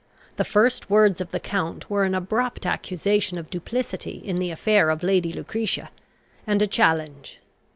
The first words of the count were an abrupt accusation of duplicity in the affair of Lady Lucretia, and a challenge.